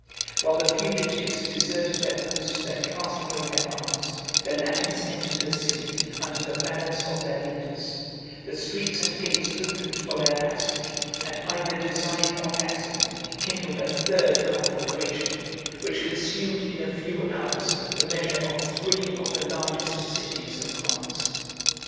82 While the fugitives deserted their posts and cast away their arms, the Latins entered the city under the banners of their leaders: the streets and gates opened for their passage; and either design or accident kindled a third conflagration, which consumed in a few hours the measure of three of the largest cities of France.